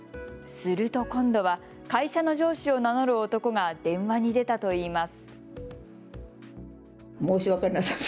すると今度は会社の上司を名乗る男が電話に出たといいます。